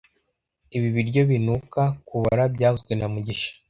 Ibi biryo binuka kubora byavuzwe na mugisha